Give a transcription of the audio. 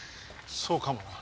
そうかもな。